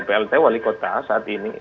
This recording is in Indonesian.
plt wali kota saat ini